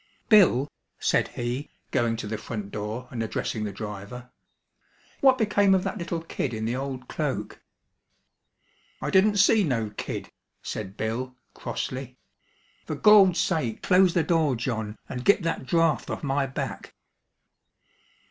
"Bill," said he, going to the front door and addressing the driver, "what became of that little kid in the old cloak?" "I didn't see no kid," said Bill, crossly. "For Gawd's sake, close the door, John, and git that draught off my back."